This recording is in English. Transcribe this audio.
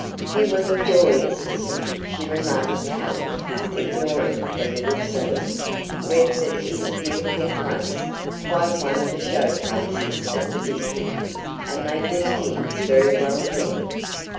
"You will enjoy this visit," she remarked calmly, ignoring the little scene. "Redford is a beautiful place quite one of the show places of the district and they do things very well there.